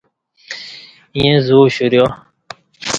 ییں زو اشُوریا۔